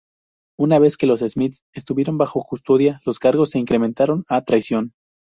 Una vez que los Smith estuvieron bajo custodia, los cargos se incrementaron a traición.